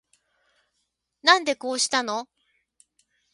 なんでこうしたの